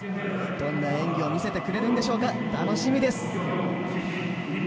どんな演技を見せてくれるのか楽しみです。